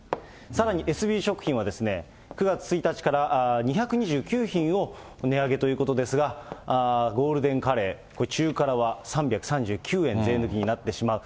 さらにエスビー食品は９月１日から、２２９品を値上げということですが、ゴールデンカレー中辛は３３９円、税抜きになってしまう。